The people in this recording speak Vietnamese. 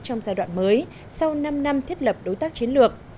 trong giai đoạn mới sau năm năm thiết lập đối tác chiến lược